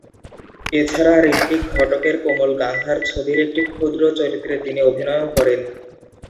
এছাড়া ঋত্বিক ঘটকের কোমল গান্ধার ছবির একটি ক্ষুদ্র চরিত্রে তিনি অভিনয়ও করেন।